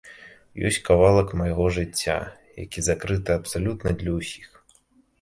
Ёсць кавалак майго жыцця, які закрыты абсалютна для ўсіх.